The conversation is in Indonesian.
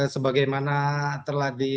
sebagaimana telah diketahui